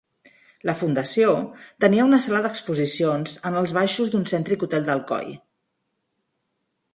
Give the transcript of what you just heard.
La fundació tenia una sala d'exposicions en els baixos d'un cèntric hotel d'Alcoi.